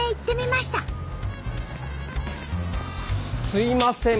すいません。